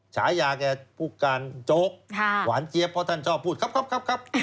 ฉายาแก่ผู้การโจ๊กค่ะหวานเกี๊ยบเพราะท่านชอบพูดครับครับครับครับ